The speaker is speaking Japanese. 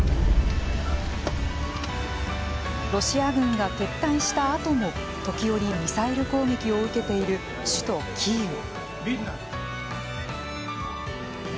ロシア軍が撤退したあとも時折ミサイル攻撃を受けている首都キーウ。